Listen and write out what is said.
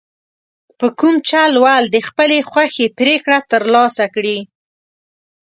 په کوم چل ول د خپلې خوښې پرېکړه ترلاسه کړي.